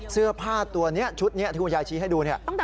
เสื้อผ้าชุดนี้ที่ยายชี้ให้ดู